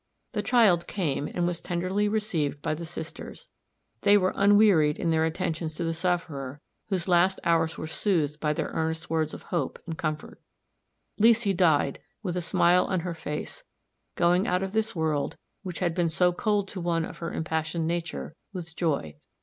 The child came, and was tenderly received by the sisters. They were unwearied in their attentions to the sufferer, whose last hours were soothed by their earnest words of hope and comfort. Leesy died with a smile on her face, going out of this world, which had been so cold to one of her impassioned nature, with joy.